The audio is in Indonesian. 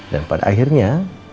dan pada akhirnya